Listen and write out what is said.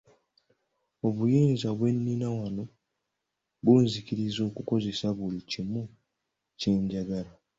Obuyinza bwe nnina wano bunzikiriza okukozesa buli kimu kyenjagala.